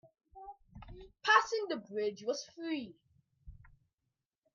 Passing the bridge was free.